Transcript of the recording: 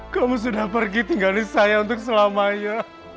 kamu sudah pergi tinggali saya untuk selamanya